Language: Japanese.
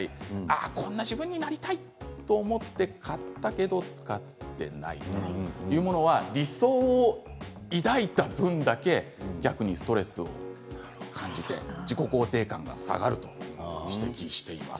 こんな自分になりたいと思って買ったけど使っていないというものは理想を抱いた分だけ逆にストレスになる自己肯定感が下がると指摘しています。